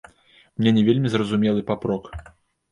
Мне не вельмі зразумелы папрок.